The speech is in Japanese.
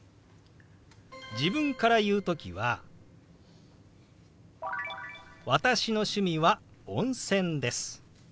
自分から言う時は「私の趣味は温泉です」。